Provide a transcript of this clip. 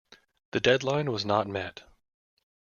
The deadline was not met.